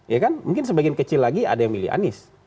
ya kan mungkin sebagian kecil lagi ada yang milih anies